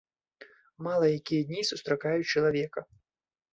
Мала якія дні сустракаюць чалавека.